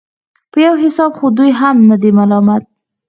په يو حساب خو دوى هم نه دي ملامت.